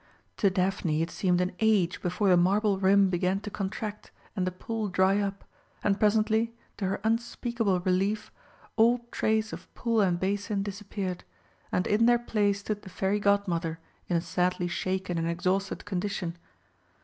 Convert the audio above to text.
To Daphne it seemed an age before the marble rim began to contract and the pool dry up, and presently, to her unspeakable relief, all trace of pool and basin disappeared, and in their place stood the Fairy Godmother in a sadly shaken and exhausted condition.